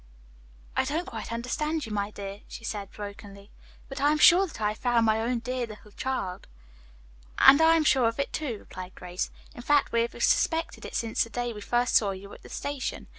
"I don't quite understand you, my dear," she said brokenly. "But I am sure that I have found my own dear little child." "And I am sure of it, too," replied Grace. "In fact, we have suspected it since the day we first saw you at the station.